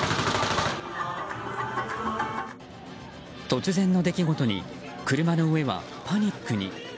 突然の出来事に車の上は、パニックに。